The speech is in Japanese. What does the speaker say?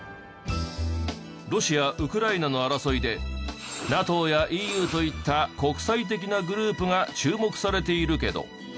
ロシアウクライナの争いでＮＡＴＯやＥＵといった国際的なグループが注目されているけど。